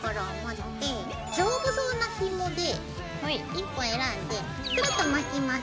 １本選んでくるっと巻きます。